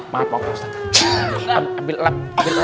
maaf pak ustad